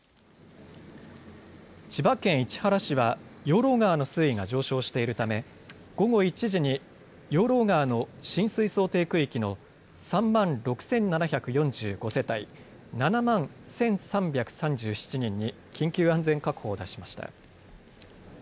千葉県市原市は養老川の水位が上昇しているため、午後１時に養老川の浸水想定区域の３万６７４５世帯７万１３３７人に緊急安全確保を出しました。